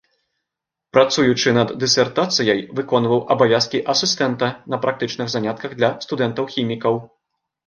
Працуючы над дысертацыяй, выконваў абавязкі асістэнта на практычных занятках для студэнтаў хімікаў.